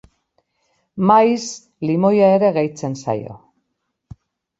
Maiz, limoia ere gehitzen zaio.